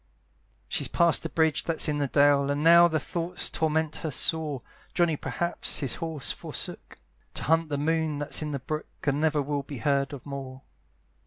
She's past the bridge that's in the dale, And now the thought torments her sore, Johnny perhaps his horse forsook, To hunt the moon that's in the brook, And never will be heard of more.